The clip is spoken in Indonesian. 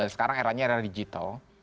sekarang era nya era digital